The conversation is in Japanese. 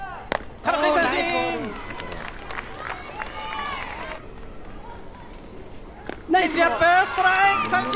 空振り三振！